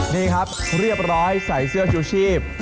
นี่ครับเรียบร้อยใส่เสื้อชูชีพ